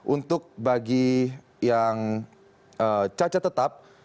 untuk bagi yang cacat tetap